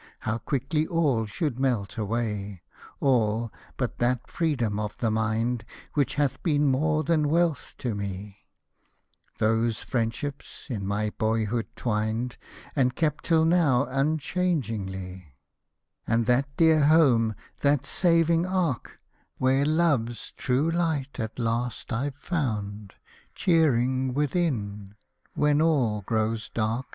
How quickly all should melt away — All — but that Freedom of the Mind, Which hath been more than wealth to me ; Those friendships, in my boyhood twined, And kept till now unchangingly ; And that dear home, that saving ark, Where Love's true light at last I've found, Cheering within, when all grows dark.